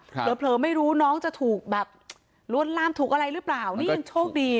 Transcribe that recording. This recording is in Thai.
เผลอไม่รู้น้องจะถูกแบบลวนลามถูกอะไรหรือเปล่านี่ยังโชคดี